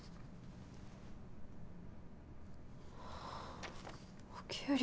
はぁお給料